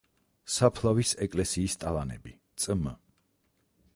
საფლავის ეკლესიის ტალანები“, „წმ.